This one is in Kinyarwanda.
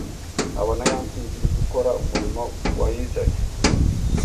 abona ya mfizi iri gukora umurimo wayizanye